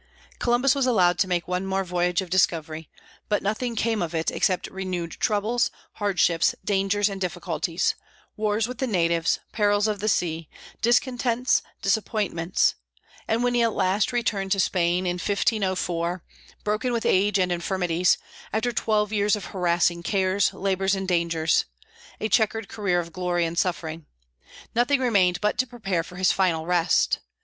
Columbus was allowed to make one more voyage of discovery, but nothing came of it except renewed troubles, hardships, dangers, and difficulties; wars with the natives, perils of the sea, discontents, disappointments; and when at last he returned to Spain, in 1504, broken with age and infirmities, after twelve years of harassing cares, labors, and dangers (a checkered career of glory and suffering), nothing remained but to prepare for his final rest.